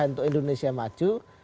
untuk indonesia maju